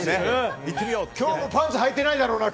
今日もパンツはいてないだろうな。